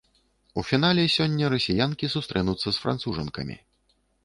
У фінале сёння расіянкі сустрэнуцца з францужанкамі.